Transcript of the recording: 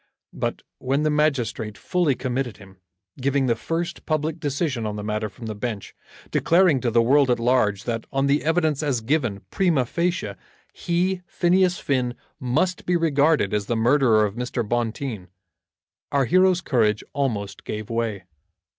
But when the magistrate fully committed him, giving the first public decision on the matter from the bench, declaring to the world at large that on the evidence as given, prima facie, he, Phineas Finn, must be regarded as the murderer of Mr. Bonteen, our hero's courage almost gave way.